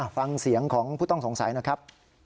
ฟังเสียงของผู้ต้องสงสัยนะครับ